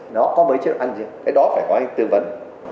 nó có mấy chế độ ăn gì cái đó phải có anh tư vấn